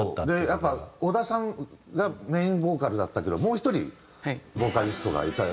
やっぱり小田さんがメインボーカルだったけどもう１人ボーカリストがいたから。